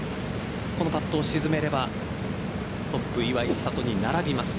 このパットを沈めればトップ・岩井千怜に並びます。